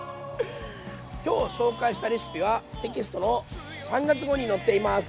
今日紹介したレシピはテキストの３月号に載っています。